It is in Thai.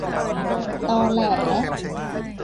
ตอแหล